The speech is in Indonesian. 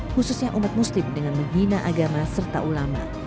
khususnya umat muslim dengan menghina agama serta ulama